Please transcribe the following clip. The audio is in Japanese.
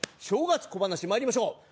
正月小ばなしまいりましょう。